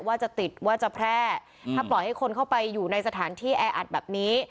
ว่าจะติดว่าจะแพร่ถ้าปล่อยให้คนเข้าไปอยู่ในสถานที่แออัดแบบนี้